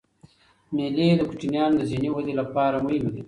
مېلې د کوچنيانو د ذهني ودي له پاره مهمي دي.